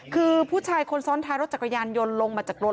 คือผู้ชายคนซ้อนท้ายรถจักรยานยนต์ลงมาจากรถ